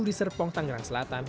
di serpong tangerang selatan